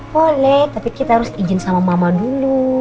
boleh tapi kita harus izin sama mama dulu